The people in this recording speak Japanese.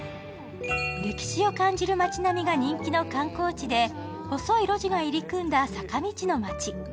歴史を感じる町並みが人気の観光地で細い路地が入り組んだ坂道の町。